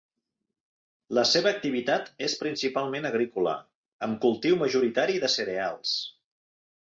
La seva activitat és principalment agrícola, amb cultiu majoritari de cereals.